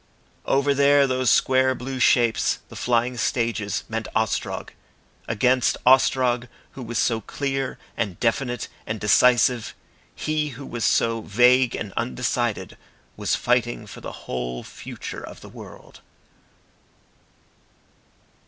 Over there those square blue shapes, the flying stages, meant Ostrog; against Ostrog, who was so clear and definite and decisive, he who was so vague and undecided, was fighting for the whole future of the world.